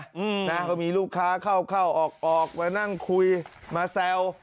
อืมนะเขามีลูกค้าเข้าเข้าออกออกมานั่งคุยมาแซว